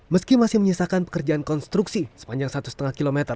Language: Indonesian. meski masih menyisakan pekerjaan konstruksi sepanjang satu lima km